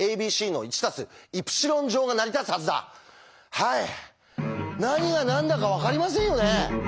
はい何が何だか分かりませんよね。